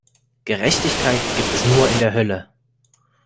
Gerechtigkeit gibt es nur in der Hölle!